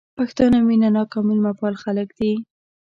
پښتانه مينه ناک او ميلمه پال خلک دي